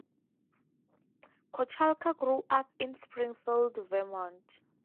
Kochalka grew up in Springfield, Vermont.